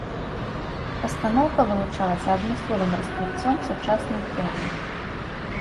Пастаноўка вылучалася адмысловым раскрыццём сучаснай тэмы.